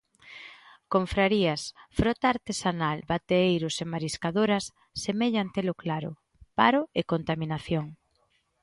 Confrarías, frota artesanal, bateeiros e mariscadoras semellan telo claro: paro e contaminación.